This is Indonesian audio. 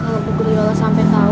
kalau bu guliola sampai tahu